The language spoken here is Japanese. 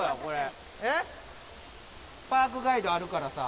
パークガイドあるからさ。